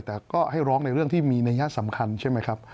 แต่ก็ให้ร้องในเรื่องที่มีนัยยะสำคัญใช่ไหมครับ